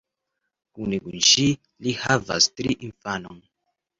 Kune kun ŝi li havas tri infanon.